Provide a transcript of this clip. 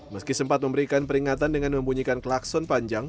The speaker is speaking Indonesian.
meski sempat memberikan peringatan dengan membunyikan klakson panjang